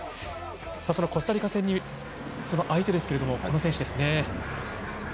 そのコスタリカ戦相手ですけれどこの選手ですね。